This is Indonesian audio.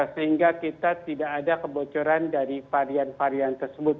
sehingga kita tidak ada kebocoran dari varian varian tersebut